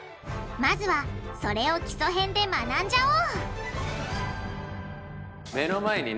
まずはそれを基礎編で学んじゃおう！